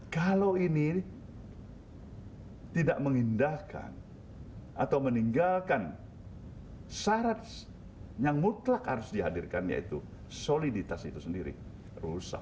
kalau ini tidak mengindahkan atau meninggalkan syarat yang mutlak harus dihadirkan yaitu soliditas itu sendiri rusak